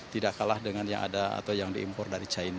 tidak kalah dengan yang ada atau yang diimpor dari china